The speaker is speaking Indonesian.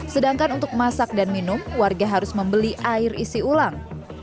sedangkan untuk masak dan minum warga harus membeli air isi ulang